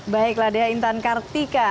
baiklah dea intan kartika